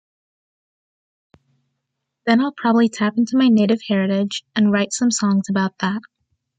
Then I'll probably tap into my native heritage and write some songs about that.